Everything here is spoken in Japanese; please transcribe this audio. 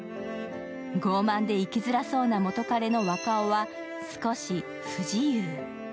傲慢で生きづらそうな元彼の若尾は少し・不自由。